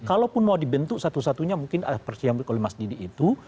kalaupun mau dibentuk satu satunya mungkin seperti yang oleh mas didi itu